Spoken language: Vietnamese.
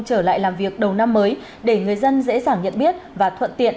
trở lại làm việc đầu năm mới để người dân dễ dàng nhận biết và thuận tiện